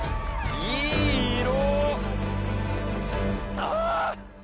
いい色！